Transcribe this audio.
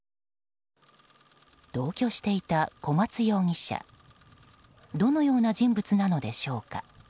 同居していた小松容疑者どのような人物なのでしょうか？